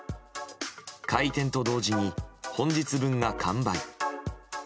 開店と同時に本日分が完売。